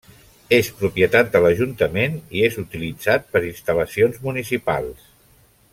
És propietat de l'Ajuntament i és utilitzat per instal·lacions municipals.